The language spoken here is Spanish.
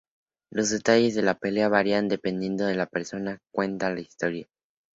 Los detalles de la pelea varían dependiendo de la persona que cuenta la historia.